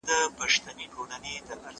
واښه د زهشوم له خوا راوړل کيږي؟